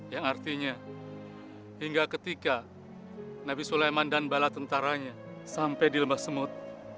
yang artinya hingga ketika nabi sulaiman dan bala tentaranya sampai di lembah semut